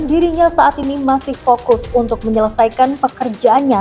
dirinya saat ini masih fokus untuk menyelesaikan pekerjaannya